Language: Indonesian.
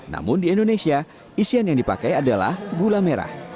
namun di indonesia isian yang dipakai adalah gula merah